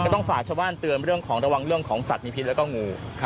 ต้องฝากชวานเตือนระวังเรื่องของสัตว์มีพิษและงู